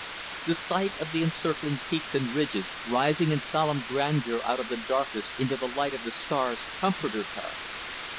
The sight of the encircling peaks and ridges, rising in solemn grandeur out of the darkness into the light of the stars, comforted her.